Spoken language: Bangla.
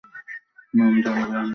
নাম জানা যায়নি।